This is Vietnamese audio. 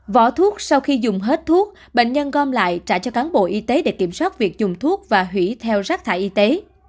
vỏ thuốc sau khi dùng hết thuốc bệnh nhân gom lại trả cho cán bộ y tế để kiểm soát việc dùng thuốc và hủy theo rác thải y tế